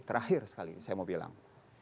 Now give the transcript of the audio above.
terakhir sekali saya mau bilang